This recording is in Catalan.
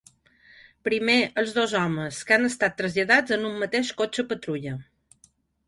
Primer els dos homes, que han estat traslladats en un mateix cotxe patrulla.